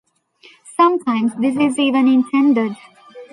Sometimes this is even intended.